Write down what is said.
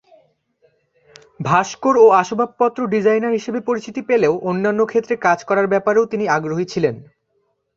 ভাস্কর ও আসবাবপত্র ডিজাইনার হিসেবে পরিচিতি পেলেও অন্যান্য ক্ষেত্রে কাজ করার ব্যাপারেও তিনি আগ্রহী ছিলেন।